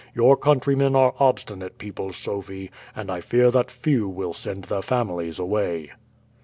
Your countrymen are obstinate people, Sophie, and I fear that few will send their families away."